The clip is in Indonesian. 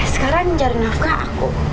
sekarang nyari nafkah aku